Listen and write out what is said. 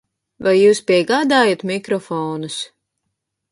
Vai jūs piegādājat mikrofonus?